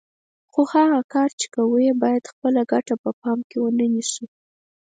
خو هغه کار چې کوو یې باید خپله ګټه په پام کې ونه نیسو.